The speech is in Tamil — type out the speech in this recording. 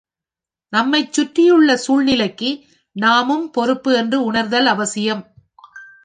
நம்மைச் சுற்றியுள்ள சூழ்நிலைக்கு நாமும் பொறுப்பு என்று உணர்தல் அவசியம்.